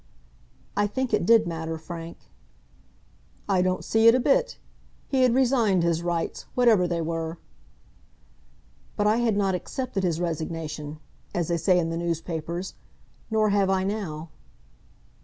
"I think it did matter, Frank." "I don't see it a bit. He had resigned his rights, whatever they were." "But I had not accepted his resignation, as they say in the newspapers; nor have I now."